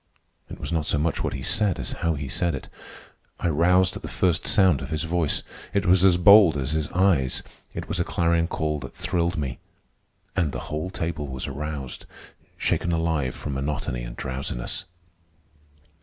It was not so much what he said as how he said it. I roused at the first sound of his voice. It was as bold as his eyes. It was a clarion call that thrilled me. And the whole table was aroused, shaken alive from monotony and drowsiness.